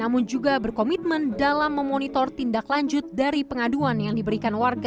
namun juga berkomitmen dalam memonitor tindak lanjut dari pengaduan yang diberikan warga